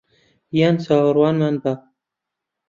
یان چاوەڕوانمان بە